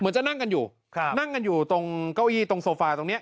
เหมือนจะนั่งกันอยู่ครับนั่งกันอยู่ตรงเก้าอี้ตรงโซฟาตรงเนี้ย